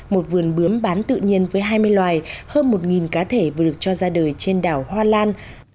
một vườn bướm bán tự nhiên với hai mươi loài hơn một cá thể vừa được cho ra đời trên đảo hoa lan